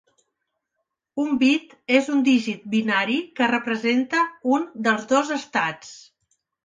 Un "bit" és un dígit binari que representa un dels dos estats.